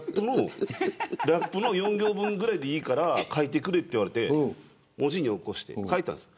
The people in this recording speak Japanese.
ラップの４行分ぐらいでいいから書いてくれと言われて文字に起こして書いたんです。